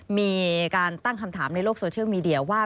มีการตั้งคำถามในโลกว่า